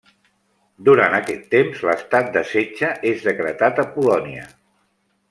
Durant aquest temps, l'estat de setge és decretat a Polònia.